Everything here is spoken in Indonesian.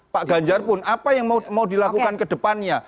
pak ganjar pun apa yang mau dilakukan kedepannya